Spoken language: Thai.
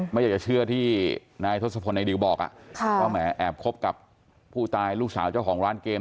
ไม่อยากจะเชื่อที่นายทศพลในดิวบอกว่าแหมแอบคบกับผู้ตายลูกสาวเจ้าของร้านเกม